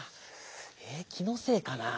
気のせいかなぁ？